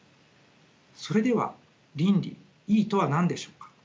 それでは倫理とは何でしょうか。